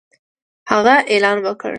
هغه اعلان وکړ